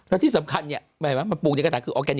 แล้วที่สำคัญมันปลูกเดียวกัน